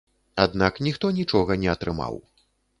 Аднак ніхто нічога не атрымаў.